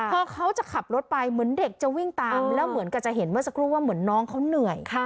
พอเขาจะขับรถไปเหมือนเด็กจะวิ่งตามแล้วเหมือนกับจะเห็นเมื่อสักครู่ว่าเหมือนน้องเขาเหนื่อย